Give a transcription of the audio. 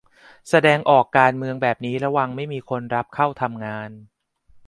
แสดงออกการเมืองแบบนี้ระวังไม่มีคนรับเข้าทำงาน